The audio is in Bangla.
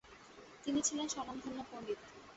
তিনি ছিলেন স্বনামধন্য পণ্ডিত।